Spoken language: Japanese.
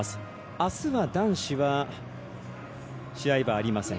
あすは男子は試合はありません。